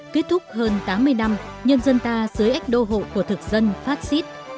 kết thúc hơn tám mươi năm nhân dân ta dưới ếch đô hộ của thực dân phát xít